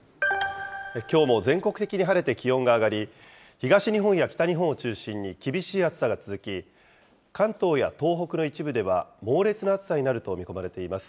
きょうも全国的に晴れて気温が上がり、東日本や北日本を中心に厳しい暑さが続き、関東や東北の一部では猛烈な暑さになると見込まれています。